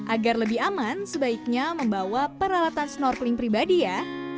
agar lebih aman sebaiknya membawa peralatan snorkeling pribadi ya